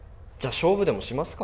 勝負でもしますか？